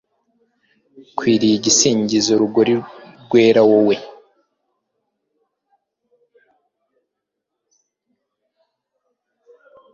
ukwiye ibisingizo rugori rwera, wowe